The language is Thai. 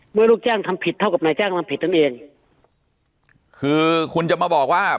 ลูกจ้างทำผิดเท่ากับนายจ้างทำผิดนั่นเองคือคุณจะมาบอกว่า